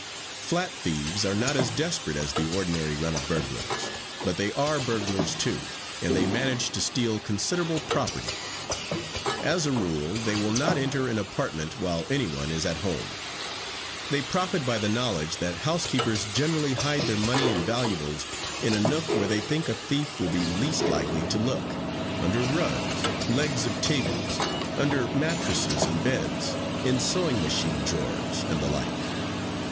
"Flat thieves are not as desperate as the ordinary run of burglars, but they are burglars too, and they manage to steal considerable property. As a rule they will not enter an apartment while anyone is at home. They profit by the knowledge that housekeepers generally hide their money and valuables in a nook where they think a thief will be least likely to look under rugs, legs of tables, under mattresses and beds, in sewing machine drawers, and the like.